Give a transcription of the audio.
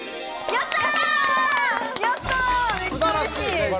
やった。